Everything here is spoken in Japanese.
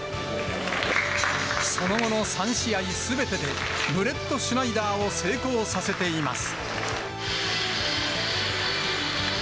その後の３試合すべてで、ブレットシュナイダーを成功させています。